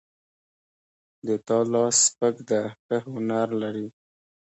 د تا لاس سپک ده ښه هنر لري